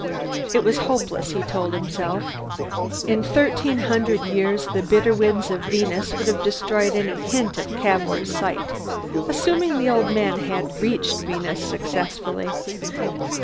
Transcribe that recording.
It was hopeless, he told himself; in thirteen hundred years the bitter winds of Venus would have destroyed any hint of Cavour's site, assuming the old man had reached Venus successfully.